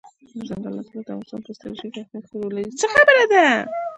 دځنګل حاصلات د افغانستان په ستراتیژیک اهمیت کې رول لري.